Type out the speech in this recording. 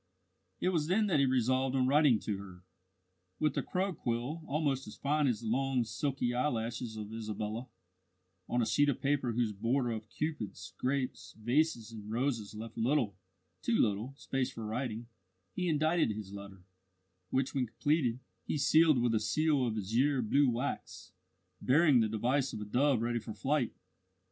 It was then that he resolved on writing to her. With a crow quill almost as fine as the long silky eyelashes of Isabella, on a sheet of paper whose border of Cupids, grapes, vases, and roses left little too little space for writing, he indited his letter, which, when completed, he sealed with a seal of azure blue wax, bearing the device of a dove ready for flight.